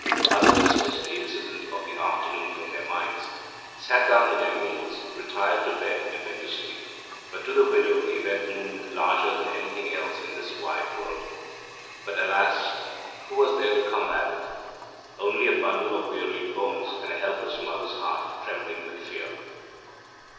Others dismissed the incident of the afternoon from their minds, sat down to their meals, retired to bed and went to sleep, but to the widow the event loomed larger than anything else in this wide world. But, alas, who was there to combat it? Only a bundle of wearied bones and a helpless mother's heart trembling with fear.